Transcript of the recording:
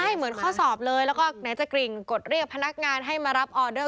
ใช่เหมือนข้อสอบเลยแล้วก็ไหนจะกริ่งกดเรียกพนักงานให้มารับออเดอร์